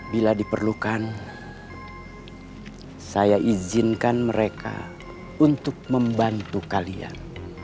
bila diperlukan saya izinkan mereka untuk membantu kalian